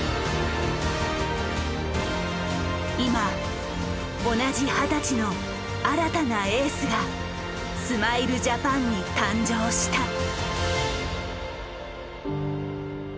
今同じ二十歳の新たなエースがスマイルジャパンに誕生した。